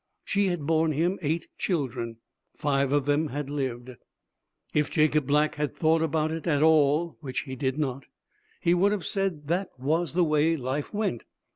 She had borne him eight children. Five of them had lived. If Jacob Black had thought about it at all, which he did not, he would have said that was the way life went.